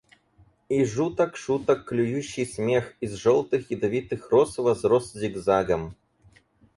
И жуток шуток клюющий смех — из желтых ядовитых роз возрос зигзагом.